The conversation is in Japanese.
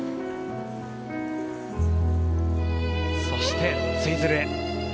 そして、ツイズルへ。